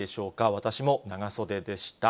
私も長袖でした。